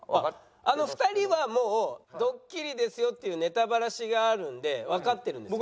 あの２人はもうドッキリですよっていうネタバラシがあるんでわかってるんですよ。